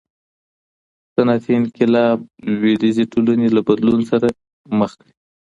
صنعتي انقلاب لویدیځې ټولني له بدلون سره مخ کړې.